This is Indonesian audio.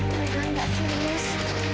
tidak ada serius